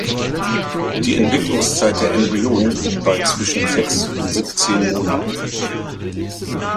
Die Entwicklungszeit der Embryonen liegt bei zwischen sechs und siebzehn Monaten.